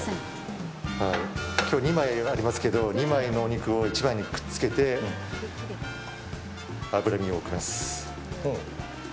今日、２枚ありますけど２枚のお肉を１枚にくっつけて脂身を置きます。